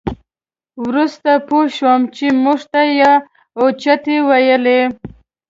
وروسته پوه شوو چې موږ ته یې اوچتې ویلې.